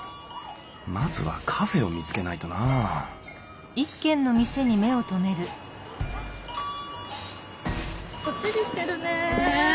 まずはカフェを見つけないとなぁもっちりしてるね。ね。